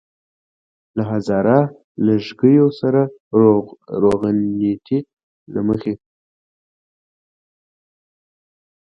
له هزاره لږکیو سره روغنيتۍ له مخې.